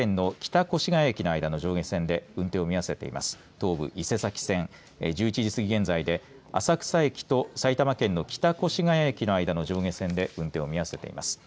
東武伊勢崎線、１１時現在で浅草駅と埼玉県の北越谷駅の間の上下線で運転を見合わせています。